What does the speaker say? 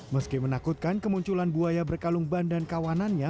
meski menakutkan kemunculan buaya berkalung ban dan kawanannya